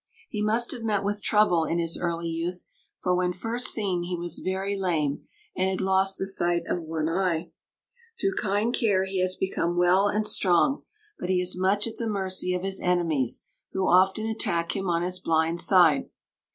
He must have met with trouble in his early youth, for when first seen he was very lame, and had lost the sight of one eye. Through kind care he has become well and strong, but he is much at the mercy of his enemies, who often attack him on his blind side.